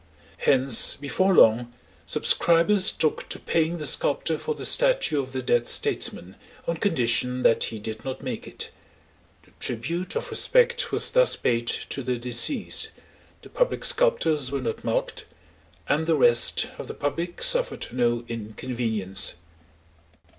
Hence before long subscribers took to paying the sculptor for the statue of their dead statesmen, on condition that he did not make it. The tribute of respect was thus paid to the deceased, the public sculptors were not mulcted, and the rest of the public suffered no inconvenience.